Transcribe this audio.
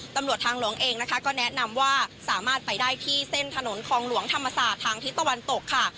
ตำรวจทางหลวงเองนะคะก็แนะนำว่าสามารถไปได้ที่เส้นถนนคลองหลวงธรรมศาสตร์ทางทิศตะวันตกค่ะ